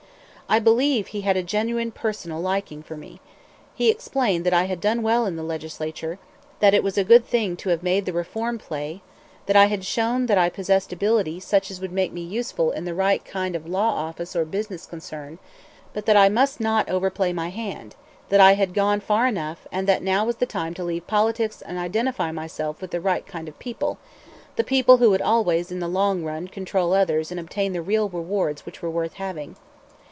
I believe he had a genuine personal liking for me. He explained that I had done well in the Legislature; that it was a good thing to have made the "reform play," that I had shown that I possessed ability such as would make me useful in the right kind of law office or business concern; but that I must not overplay my hand; that I had gone far enough, and that now was the time to leave politics and identify myself with the right kind of people, the people who would always in the long run control others and obtain the real rewards which were worth having.